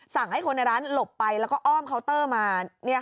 สั่งให้คนในร้านหลบไปแล้วก็อ้อมเคาน์เตอร์มา